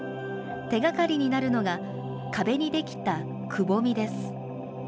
手がかりになるのが、壁に出来たくぼみです。